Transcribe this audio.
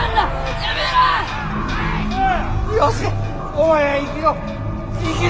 お前は生きろ！